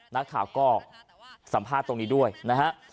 นักข่าวก็สัมภาษณ์ตรงนี้ด้วยนะฮะ